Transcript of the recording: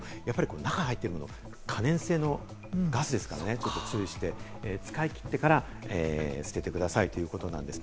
中に入ってるもの、可燃性のガスですから、注意して、使い切ってから捨ててくださいということです。